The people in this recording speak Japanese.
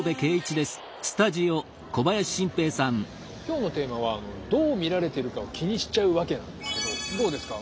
今日のテーマはどう見られてるかを気にしちゃうワケなんですけどどうですか？